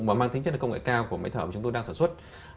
và mang tính chất công nghệ cao của máy thở mà chúng tôi đang sản xuất